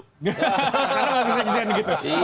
karena masih sekjen gitu